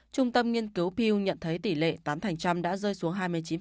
trung tâm nghiên cứu piw nhận thấy tỷ lệ tám đã rơi xuống hai mươi chín